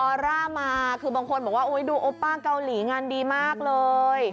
อร่ามาคือบางคนบอกว่าดูโอป้าเกาหลีงานดีมากเลย